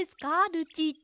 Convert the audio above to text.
ルチータ。